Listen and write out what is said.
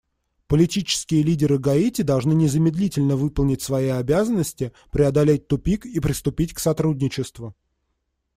Политические лидеры Гаити должны незамедлительно выполнить свои обязанности, преодолеть тупик и приступить к сотрудничеству.